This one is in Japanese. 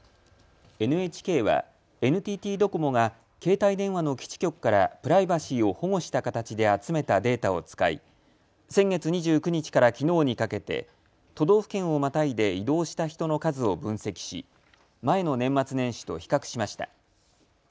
ＮＨＫはＮＴＴドコモが携帯電話の基地局からプライバシーを保護した形で集めたデータを使い先月２９日からきのうにかけて都道府県をまたいで移動した人の数を分析し前の年末年始と比較しました。